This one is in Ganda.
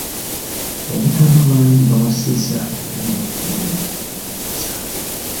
Mu butanwa bangi bawasiza era ne bafumbirwa ab'enganda zaabwe.